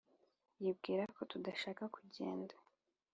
yibwira ko tudashaka kugenda.